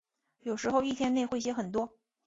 有时候一天内会写很多。